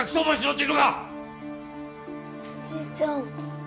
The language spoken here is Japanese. おじいちゃん。